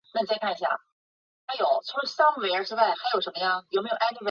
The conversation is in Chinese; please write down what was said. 这也是不变质量也被称作静质量的缘故。